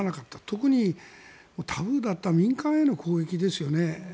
特にタブーだった民間への攻撃ですよね。